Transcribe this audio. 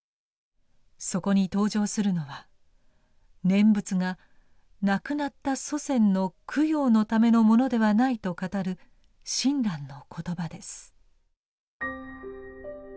そこに登場するのは念仏が亡くなった祖先の供養のためのものではないと語る親鸞の言葉です。